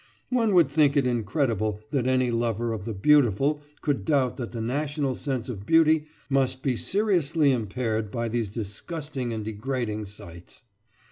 One would think it incredible that any lover of the beautiful could doubt that the national sense of beauty must be seriously impaired by these disgusting and degrading sights.